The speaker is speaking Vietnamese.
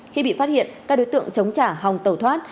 khi bị phát hiện các đối tượng chống trả hòng tẩu thoát